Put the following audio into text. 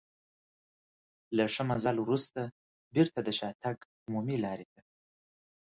له ښه مزل وروسته بېرته د شاتګ عمومي لارې ته.